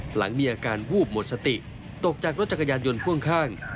หลังมีอาการวูบหมดสติตกจากรถจักรยานยนต์พ่วงข้าง